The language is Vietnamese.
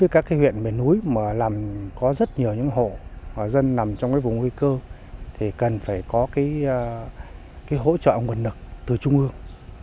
các cái huyện bề núi mà làm có rất nhiều những hộ và dân nằm trong cái vùng nguy cơ thì cần phải có cái hỗ trợ nguồn nực từ trung ương